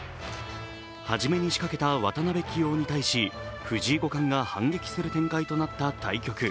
初めに仕掛けた渡辺棋王に対し、藤井五冠が反撃する展開となった対局。